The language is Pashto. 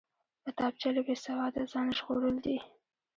کتابچه له بېسواده ځان ژغورل دي